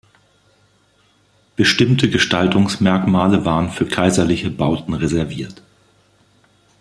Bestimmte Gestaltungsmerkmale waren für kaiserliche Bauten reserviert.